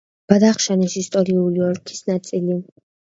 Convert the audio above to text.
ბადახშანის ისტორიული ოლქის ნაწილი.